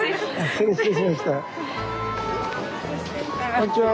こんにちは。